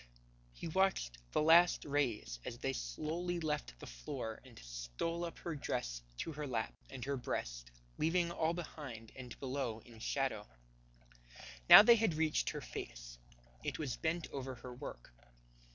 He watched the last rays as they slowly left the floor and stole up her dress to her lap and her breast, leaving all behind and below in shadow. Now they had reached her face. It was bent over her work.